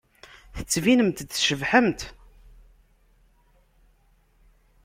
Tettbinemt-d tcebḥemt.